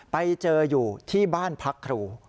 ไปเจออยู่ที่บ้านพักครู